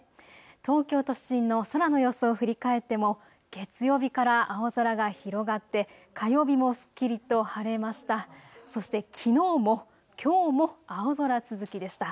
東京都心の空の様子を振り返っても月曜日から青空が広がって火曜日もすっきりと晴れました。